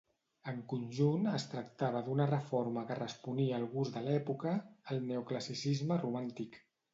En conjunt es tractava d'una reforma que responia al gust de l'època, el neoclassicisme romàntic.